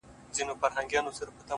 د شنو خالونو د ټومبلو کيسه ختمه نه ده؛